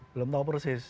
belum tahu persis